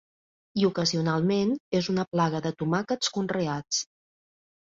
I ocasionalment és una plaga de tomàquets conreats.